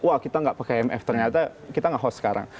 wah kita nggak pakai imf ternyata kita nge host sekarang